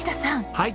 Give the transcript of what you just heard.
はい。